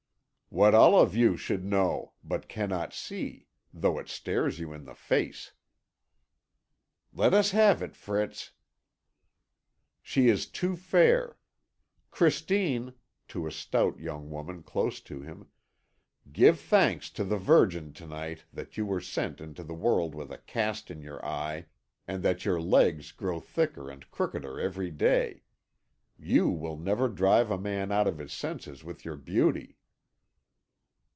"What all of you should know, but cannot see, though it stares you in the face." "Let us have it, Fritz." "She is too fair. Christine," to a stout young woman close to him, "give thanks to the Virgin to night that you were sent into the world with a cast in your eye, and that your legs grow thicker and crookeder every day. You will never drive a man out of his senses with your beauty."